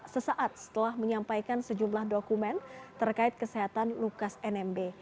sesaat setelah menyampaikan sejumlah dokumen terkait kesehatan lukas nmb